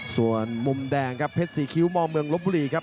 ส่วนมุมแดงครับเพชรสี่คิ้วมเมืองลบบุรีครับ